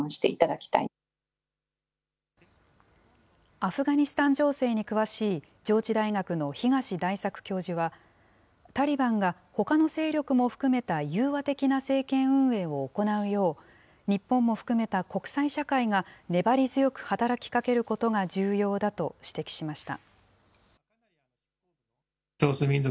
アフガニスタン情勢に詳しい、上智大学の東大作教授は、タリバンがほかの勢力も含めた融和的な政権運営を行うよう、日本も含めた国際社会が粘り強く働きかけることが重要だと指摘しました。